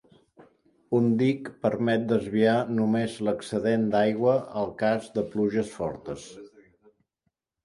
Un dic permet desviar només l'excedent d'aigua al cas de pluges forts.